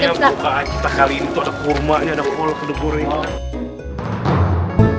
ya allah salamualaikum waalaikumsalam